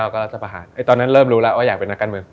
ก็รัฐประหารตอนนั้นเริ่มรู้แล้วว่าอยากเป็นนักการเมือง